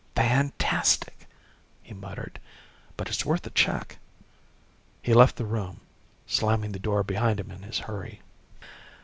"Fantastic," he muttered, "but it's worth a check." He left the room, slamming the door behind him in his hurry.